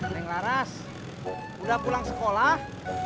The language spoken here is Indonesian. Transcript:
yang laras udah pulang sekolah